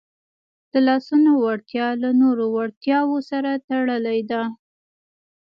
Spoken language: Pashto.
د لاسونو وړتیا له نورو وړتیاوو سره تړلې ده.